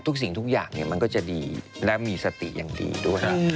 สิ่งทุกอย่างมันก็จะดีและมีสติอย่างดีด้วย